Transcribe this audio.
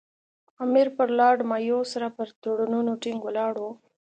امیر پر لارډ مایو سره پر تړونونو ټینګ ولاړ وو.